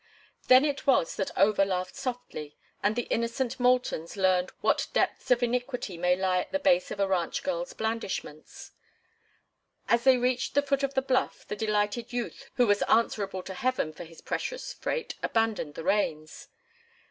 Then it was that Over laughed softly, and the innocent Moultons learned what depths of iniquity may lie at the base of a ranch girl's blandishments. As they reached the foot of the bluff the delighted youth who was answerable to Heaven for his precious freight abandoned the reins.